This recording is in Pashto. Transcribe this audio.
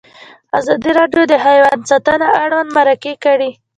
ازادي راډیو د حیوان ساتنه اړوند مرکې کړي.